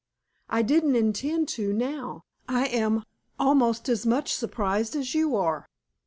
I didn't intend to now. I am almost as much surprised as you are."